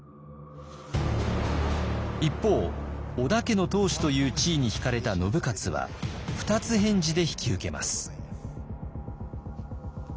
一方織田家の当主という地位に引かれた信雄は二つ返事で引き受けます。